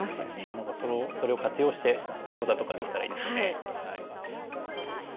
何かそれを活用して講座とかできたらいいですよね。